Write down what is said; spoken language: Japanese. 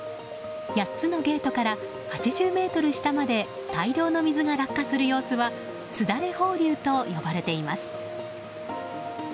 ８つのゲートから８０ｍ下まで大量の水が落下する様子はすだれ放流と呼ばれています。